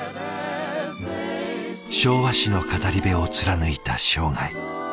昭和史の語り部を貫いた生涯。